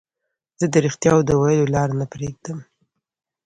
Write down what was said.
زه د رښتیاوو د ویلو لار نه پريږدم.